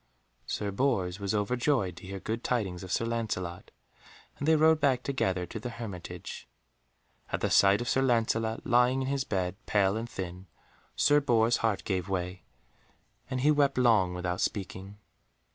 Sir Bors was overjoyed to hear good tidings of Sir Lancelot, and they rode back together to the hermitage. At the sight of Sir Lancelot lying in his bed, pale and thin, Sir Bors' heart gave way, and he wept long without speaking.